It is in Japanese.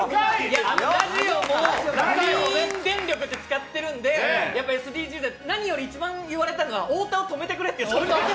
ラジオもグリーン電力を使ってるんで、ＳＤＧｓは何より一番言われたのは、太田を止めてくれと。